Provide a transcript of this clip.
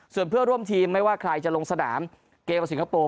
ส่วนเพื่อนร่วมทีมไม่ว่าใครจะลงสนามเกมกับสิงคโปร์